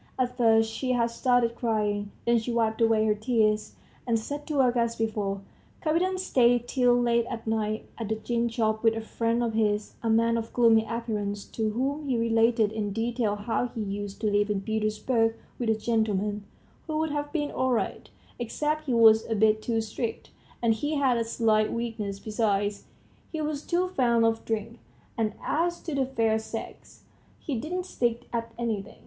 At first she had started crying, then she wiped away her tears, and set to work as before. Kapiton stayed till late at night at the gin shop with a friend of his, a man of gloomy appearance, to whom he related in detail how he used to live in Petersburg with a gentleman, who would have been all right, except he was a bit too strict, and he had a slight weakness besides, he was too fond of drink; and, as to the fair sex, he didn't stick at anything.